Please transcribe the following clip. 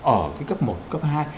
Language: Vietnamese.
ở cái cấp một cấp hai